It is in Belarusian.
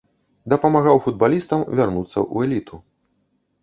Дапамагаў футбалістам вярнуцца ў эліту.